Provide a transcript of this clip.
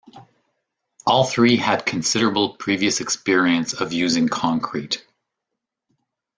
All three had considerable previous experience of using concrete.